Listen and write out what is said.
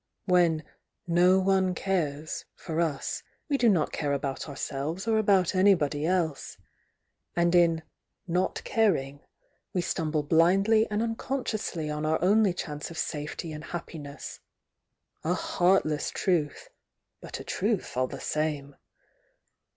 When "no one cares" for us, we do not care about ourselves or about anybody else. And in "not caring" we stumble blindly and uncon sciously on our only chance of safety and happi ness. A heartless truth!— but a truth all the same.